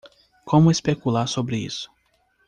Como especular sobre isso?